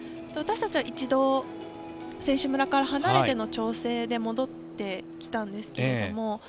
私たちは一度選手村から離れての調整で戻ってきたんですけど。